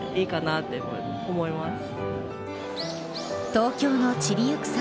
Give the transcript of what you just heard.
東京の散りゆく桜